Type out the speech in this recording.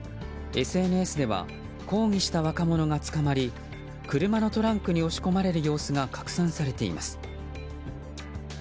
ＳＮＳでは抗議した若者が捕まり車のトランクに押し込まれる様子が拡散されています。